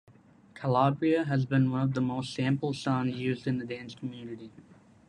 "Calabria" has been one of the most sampled songs used in the Dance community.